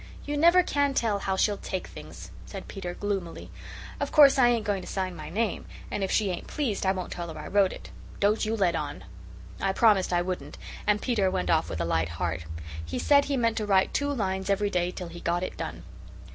"You never can tell how she'll take things," said Peter gloomily. "Of course I ain't going to sign my name, and if she ain't pleased I won't tell her I wrote it. Don't you let on." I promised I wouldn't and Peter went off with a light heart. He said he meant to write two lines every day till he got it done.